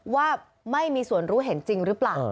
ว่าไม่มีส่วนรู้เห็นจริงหรือเปล่า